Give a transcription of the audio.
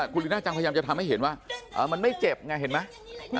คุณลีน่าจังพยายามจะทำให้เห็นว่ามันไม่เจ็บไงเห็นไหม